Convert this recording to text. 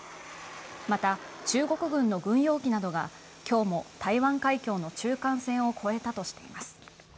また、中国軍の軍用機などが今日も台湾海峡の中間線を越えたとしています。